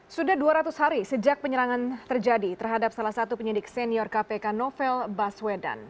sudah dua ratus hari sejak penyerangan terjadi terhadap salah satu penyidik senior kpk novel baswedan